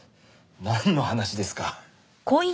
なんの話ですか。